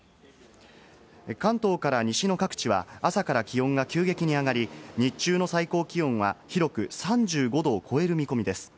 関東から西の各地は、朝から気温が急激に上がり、日中の最高気温は広く３５℃を超える見込みです。